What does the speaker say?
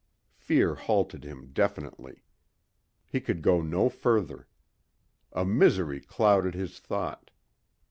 Fear halted him definitely. He could go no further. A misery clouded his thought.